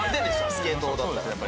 スケートだったら。